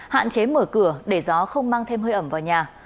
hạn chế mở cửa để gió không mang thêm hơi ẩm vào nhà